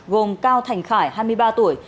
gồm cao thành khải hai mươi ba tuổi